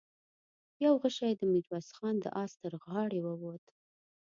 يو غشۍ د ميرويس خان د آس تر غاړې ووت.